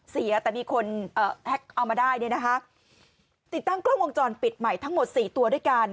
เสียแต่มีคนแท็กเอามาได้เนี่ยนะคะติดตั้งกล้องวงจรปิดใหม่ทั้งหมดสี่ตัวด้วยกัน